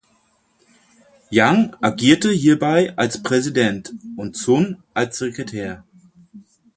Yang agierte hierbei als präsident und Sun als Sekretär.